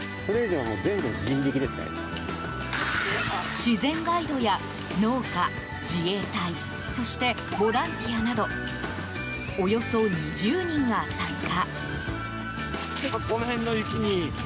自然ガイドや農家、自衛隊そして、ボランティアなどおよそ２０人が参加。